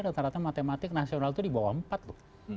rata rata matematik nasional itu di bawah empat loh